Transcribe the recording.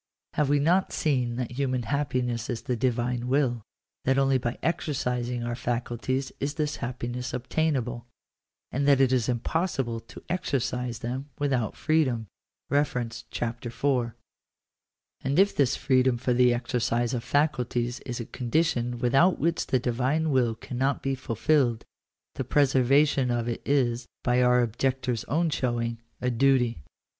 Have we not seen that human happiness is the Divine will — that only by exer cising our faculties is this happiness obtainable — and that it is impossible to exercise them without freedom ? (Chap. IV.) And if this freedom for the exercise of faculties is a condition without which the Divine will cannot be fulfilled, the preserva tion of it is, by our objectors own showing, a duty.